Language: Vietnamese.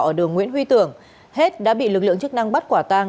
ở đường nguyễn huy tưởng hết đã bị lực lượng chức năng bắt quả tang